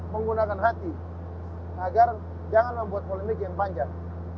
menggunakan hati agar jangan membuat polemik yang panjang